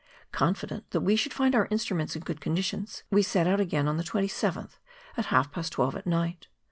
Confident that we should find our instruments in good condition, we set out again on the 27th, at half past twelve at night.